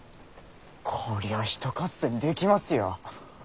こりゃひと合戦できますよ。